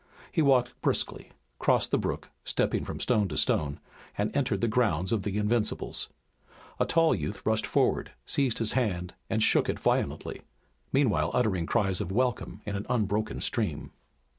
He walked briskly, crossed the brook, stepping from stone to stone, and entered the grounds of the Invincibles. A tall youth rushed forward, seized his hand and shook it violently, meanwhile uttering cries of welcome in an unbroken stream.